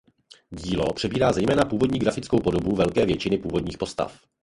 Dílo přebírá zejména původní grafickou podobu velké většiny původních postav.